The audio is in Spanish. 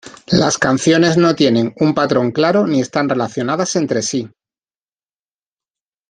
Las canciones no tienen un patrón claro ni están relacionadas entre sí.